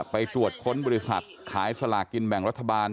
ไปตรวจค้นบริษัทขายสลากินแบ่งรัฐบาล